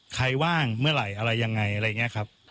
ว่างเมื่อไหร่อะไรยังไงอะไรอย่างนี้ครับ